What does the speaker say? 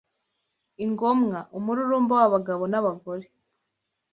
Igomwa, umururumba w’abagabo n’abagore